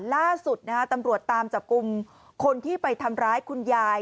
ล่าสุดนะฮะตำรวจตามจับกลุ่มคนที่ไปทำร้ายคุณยาย